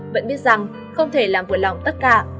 vẫn biết rằng không thể làm vừa lòng tất cả